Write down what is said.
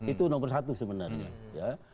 itu nomor satu sebenarnya